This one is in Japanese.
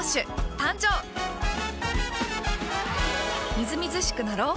みずみずしくなろう。